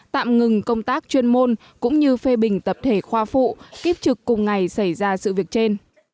tạm ngừng công tác chuyên môn cũng như phê bình tập thể khoa phụ kiếp trực cùng ngày xảy ra sự việc trên